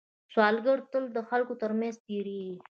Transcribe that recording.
سوالګر تل د خلکو تر منځ تېرېږي